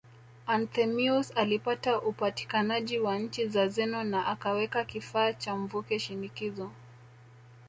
Anthemius alipata upatikanaji wa chini ya Zeno na akaweka kifaa cha mvuke shinikizo